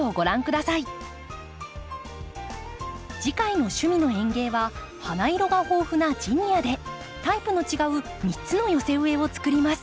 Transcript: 次回の「趣味の園芸」は花色が豊富なジニアでタイプの違う３つの寄せ植えを作ります。